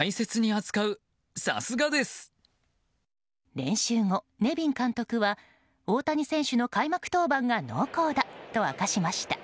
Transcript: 練習後、ネビン監督は大谷選手の開幕登板が濃厚だと明かしました。